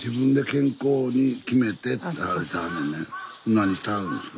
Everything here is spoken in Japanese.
何してはるんですか？